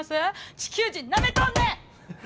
地球人なめとんねん！